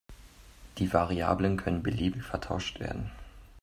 Die Variablen können beliebig vertauscht werden.